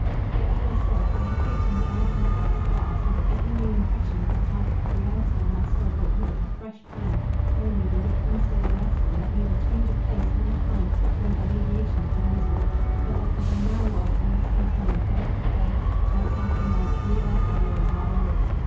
Yet, as I said, I had hoped in the very heart of despair, so that every new impression of the hard cut reality on my soul brought with it a fresh pang, telling me the yet unstudied lesson, that neither change of place nor time could bring alleviation to my misery, but that, as I now was, I must continue, day after day, month after month, year after year, while I lived.